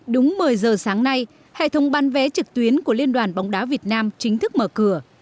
đúng một mươi giờ sáng nay hệ thống bán vé trực tuyến của liên đoàn bóng đá việt nam chính thức mở cửa